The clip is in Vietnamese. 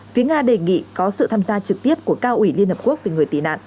phía nga đề nghị có sự tham gia trực tiếp của cao ủy liên hợp quốc về người tị nạn